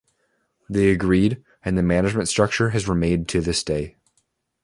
They agreed, and the management structure has remained to this day.